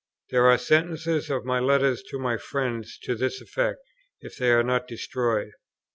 There are sentences of my letters to my friends to this effect, if they are not destroyed.